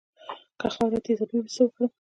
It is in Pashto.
که خاوره تیزابي وي څه وکړم؟